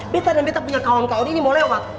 beta dan beta punya kawan kawan ini mau lewat